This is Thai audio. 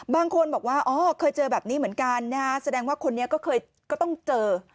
บางคนบอกว่าอ๋อเคยเจอแบบนี้เหมือนกันนะฮะแสดงว่าคนนี้ก็เคยก็ต้องเจอ